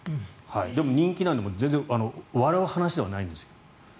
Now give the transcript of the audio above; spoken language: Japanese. でも、人気なので全然笑う話ではないんです。